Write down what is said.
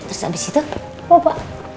terus abis itu bobo